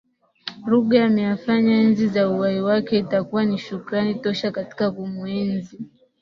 Ruge ameyafanya enzi za uhai wake itakuwa ni shukrani tosha katika kumuenzi